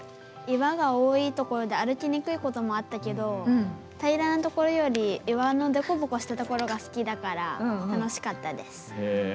岩が多いところで歩きにくいところもあったけど平らなところより岩の凸凹したところが好きだから、楽しかったです。